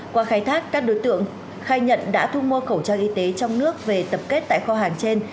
qua khai thác các đối tượng khai nhận đã thu mua khẩu trang y tế trong nước về tập kết tại kho hàng trên